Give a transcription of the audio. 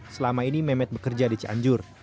selama ini memet bekerja di cianjur